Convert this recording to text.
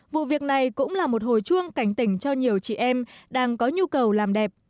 vụ việc này cũng là một hồi chuông cảnh tỉnh cho nhiều chị em đang có nhu cầu làm đẹp